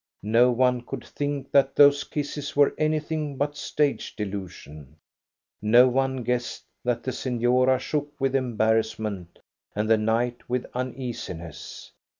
No one could think that those kisses were anything but stage delusion. No one guessed that the seflora shook with embarrass ment and the knight with uneasiness.